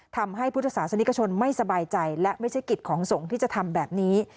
ทำให้พุทธศาสนิกชนไม่สบายใจและไม่ใช่กิจของสงฆ์ที่จะทำแบบนี้